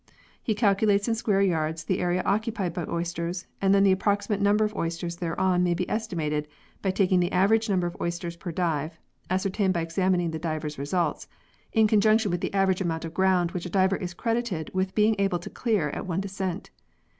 He cal culates in square yards the area occupied by oysters, and then the approximate number of oysters thereon may be estimated by taking the average number of oysters per dive (ascertained by examining the divers' results), in conjunction with the average amount of ground which a diver is credited with being able to clear at one descent.